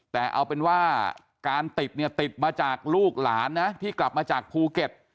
แต่เอาเป็นว่าการติดเนี่ยติดมาจากลูกหลานนะที่กลับมาจากภูเก็ต